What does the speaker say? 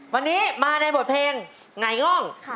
วันนี้มาในบทเพลงหงายง่อง